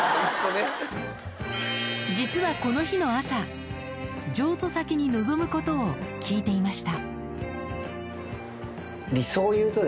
実はこの日の朝譲渡先に望むことを聞いていました